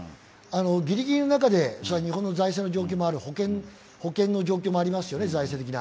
ギリギリの中で、日本の財政の状況もある、保険の状況もありますよね、財政的には。